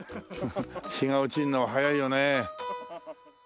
日が落ちるのは早いよね。